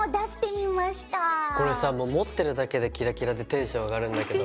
これさ持ってるだけでキラキラでテンション上がるんだけど。